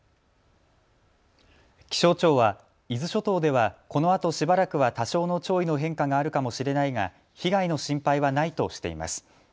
気象庁は伊豆諸島ではこのあとしばらくは多少の潮位の変化があるかもしれないが被害の心配はないとしています。